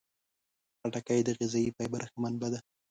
خټکی د غذايي فایبر ښه منبع ده.